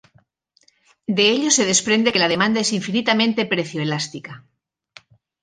De ello se desprende que la demanda es infinitamente precio-elástica.